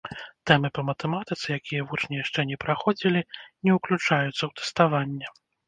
Тэмы па матэматыцы, якія вучні яшчэ не праходзілі, не ўключаюцца ў тэставанне.